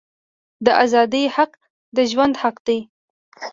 د آزادی حق د ژوند حق دی.